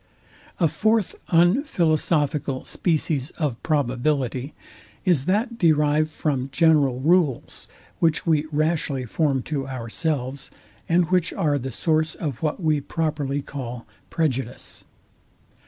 A fourth unphilosophical species of probability is that derived from general rules, which we rashly form to ourselves, and which are the source of what we properly call PREJUDICE.